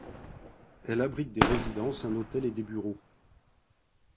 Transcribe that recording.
Elle abrite des résidences, un hôtel, et des bureaux.